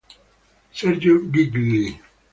Sergio Gigli